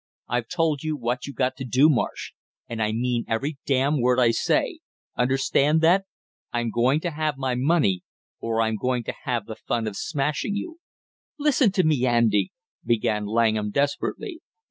"I've told you what you got to do, Marsh, and I mean every damn word I say, understand that? I'm going to have my money or I'm going to have the fun of smashing you." "Listen to me, Andy!" began Langham desperately.